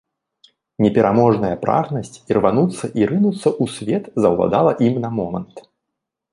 Непераможная прагнасць ірвануцца і рынуцца ў свет заўладала ім на момант.